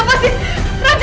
aku gak bakal menyesal